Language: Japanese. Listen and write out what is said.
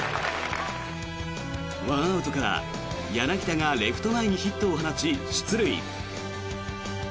１アウトから柳田がレフト前にヒットを放ち出塁。